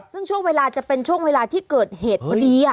ซึ่งช่วงเวลาจะเป็นช่วงเวลาที่เกิดเหตุพอดี